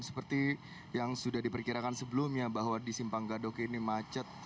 seperti yang sudah diperkirakan sebelumnya bahwa di simpang gadok ini macet